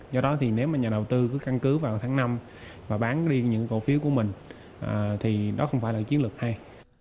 do đó nếu nhà đầu tư cứ căn cứ vào tháng năm và bán đi những cổ phiếu của mình thì đó không phải là chiến lược hay